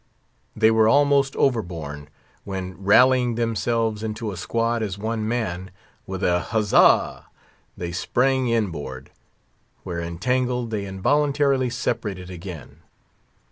They were almost overborne, when, rallying themselves into a squad as one man, with a huzza, they sprang inboard, where, entangled, they involuntarily separated again.